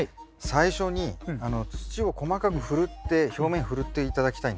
最初に土を細かくふるって表面ふるって頂きたいんです。